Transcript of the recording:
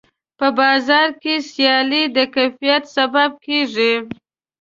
په بازار کې سیالي د کیفیت سبب کېږي.